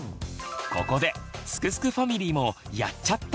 ここですくすくファミリーも「やっちゃった！」